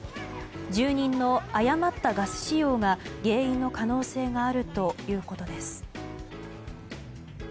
住人の誤ったガス使用が、原因の可能性があるということです。